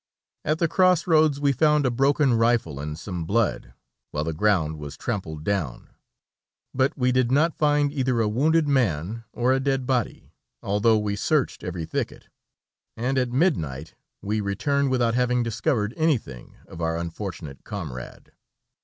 At the cross roads we found a broken rifle and some blood, while the ground was trampled down, but we did not find either a wounded man or a dead body, although we searched every thicket, and at midnight we returned without having discovered anything of our unfortunate comrade.